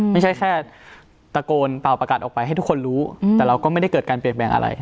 ไม่ใช่แค่ตะโกนเป่าประกาศออกไปให้ทุกคนรู้แต่เราก็ไม่ได้เกิดการเปลี่ยนแปลงอะไร